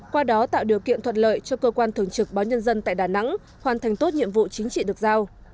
qua đó tạo điều kiện thuận lợi cho cơ quan thường trực báo nhân dân tại đà nẵng hoàn thành tốt nhiệm vụ chính trị được giao